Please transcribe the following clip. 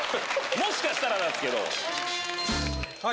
もしかしたらなんすけど。